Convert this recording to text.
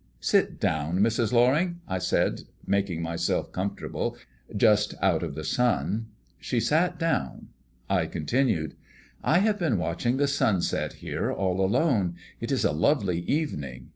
"Sit down, Mrs. Loring," I said, making myself comfortable just out of the sun. She sat down. I continued: "I have been watching the sunset here all alone. It is a lovely evening.